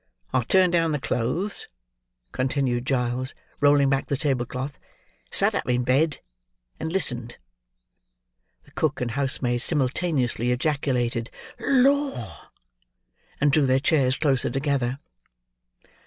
I turned down the clothes"; continued Giles, rolling back the table cloth, "sat up in bed; and listened." The cook and housemaid simultaneously ejaculated "Lor!" and drew their chairs closer together.